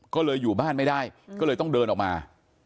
ก็เลยอยู่บ้านไม่ได้ก็เลยต้องเดินออกมา